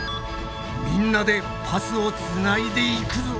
みんなでパスをつないでいくぞ。